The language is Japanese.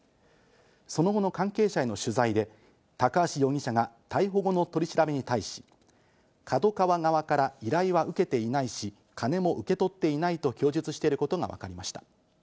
その後の関係者への取材で、高橋容疑者は逮捕後の取り調べに対し、ＫＡＤＯＫＡＷＡ側から依頼は受けていないし、金も受け取っていないと供述していることがわかりました。